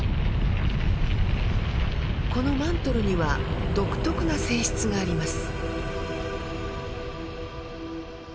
このマントルには独特な性質があります。